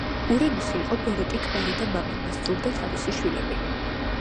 ურანოსი იყო ბოროტი ქმარი და მამა, მას სძულდა თავისი შვილები.